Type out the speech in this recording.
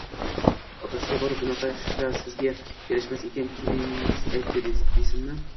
Otasiga borib, bunaqa ishlar sizga yarashmas ekan, kelinigiz aytdi desinmi